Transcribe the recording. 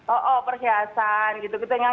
oh persiasan gitu